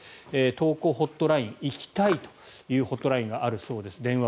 投降ホットライン「生きたい」というホットライン電話窓口があるそうです。